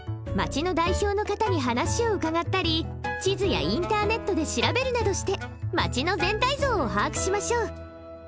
街の代表の方に話をうかがったり地図やインターネットで調べるなどして街の全体像を把握しましょう。